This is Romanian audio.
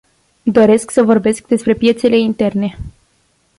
Doresc să vorbesc despre piețele interne.